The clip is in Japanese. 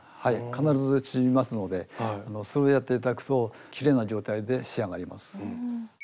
必ず縮みますのでそれをやって頂くときれいな状態で仕上がります。